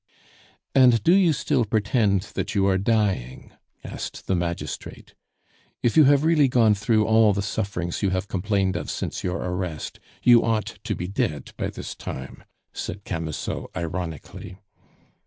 "And do you still pretend that you are dying?" asked the magistrate. "If you have really gone through all the sufferings you have complained of since your arrest, you ought to be dead by this time," said Camusot ironically.